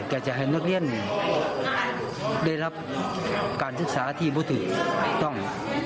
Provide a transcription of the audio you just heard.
จะให้นักเรียนได้รับการศึกษาที่บุติต้อง